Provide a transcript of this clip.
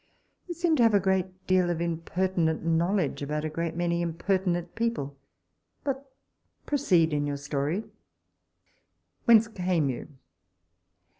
You seem to have a great deal of impertinent knowledge about a great many impertinent people; but proceed in your story: whence came you?